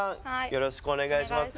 よろしくお願いします